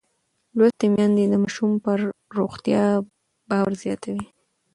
لوستې میندې د ماشوم پر روغتیا باور زیاتوي.